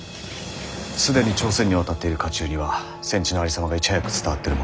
既に朝鮮に渡っている家中には戦地のありさまがいち早く伝わってるものと。